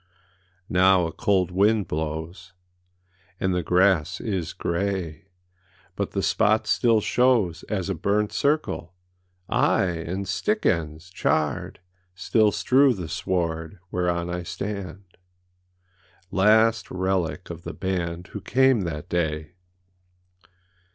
Now a cold wind blows, And the grass is gray, But the spot still shows As a burnt circleâaye, And stick ends, charred, Still strew the sward Whereon I stand, Last relic of the band Who came that day!